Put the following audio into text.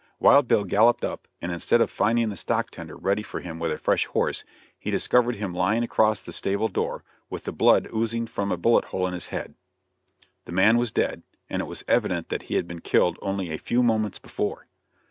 Wild Bill galloped up and instead of finding the stock tender ready for him with a fresh horse, he discovered him lying across the stable door with the blood oozing from a bullet hole in his head. The man was dead, and it was evident that he had been killed only a few moments before.